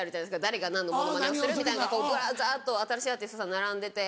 誰が何のモノマネをするみたいなのが新しいアーティストさん並んでて。